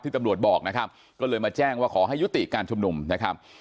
ตำรวจบอกนะครับก็เลยมาแจ้งว่าขอให้ยุติการชุมนุมนะครับ